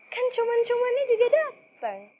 kan coman comannya juga datang